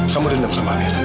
kamu dendam sama amira